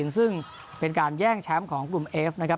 ซึ่งเป็นการแย่งแชมป์ของกลุ่มเอฟนะครับ